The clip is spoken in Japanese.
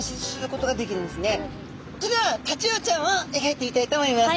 それではタチウオちゃんをえがいてみたいと思います！